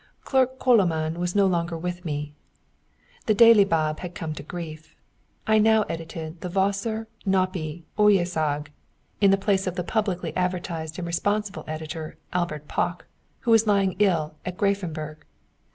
Clerk Coloman was no longer with me. The Délibab had come to grief. I now edited the Vasárnapi Ujság, in the place of the publicly advertised and responsible editor Albert Pakh, who was lying ill at Graefenberg.